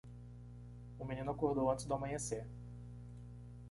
O menino acordou antes do amanhecer.